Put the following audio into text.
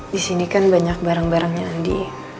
disini kan banyak barang barangnya andi